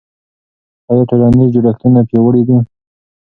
آیا ټولنیز جوړښتونه پیاوړي دي؟